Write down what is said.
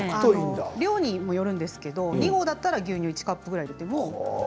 量によるんですが２合だったら牛乳１カップぐらいです。